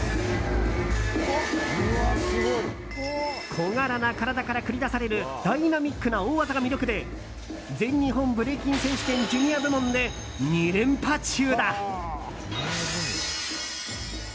小柄な体から繰り出されるダイナミックな大技が魅力で全日本ブレイキン選手権ジュニア部門で２連覇中だ。